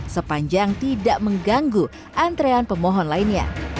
sepanjang tidak mengganggu antrean pemohon lainnya